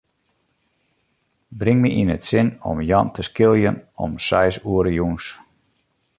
Bring my yn it sin om Jan te skiljen om seis oere jûns.